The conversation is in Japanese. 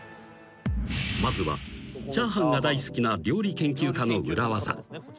［まずはチャーハンが大好きな料理研究家の裏技］